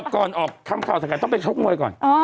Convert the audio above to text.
ก่อนออกทำข่าวสังกัดต้องไปชกมวยก่อน